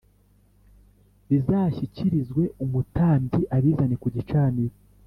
bizashyikirizwe umutambyi abizane ku gicaniro